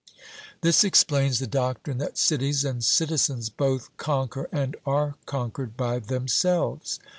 This explains the doctrine that cities and citizens both conquer and are conquered by themselves.